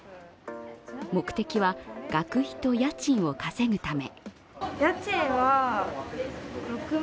目的は学費と家賃を稼ぐため。